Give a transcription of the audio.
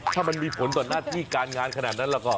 ถ้ามันมีผลต่อหน้าที่การงานขนาดนั้นแล้วก็